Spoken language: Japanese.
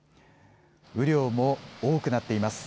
雨量も多くなっています。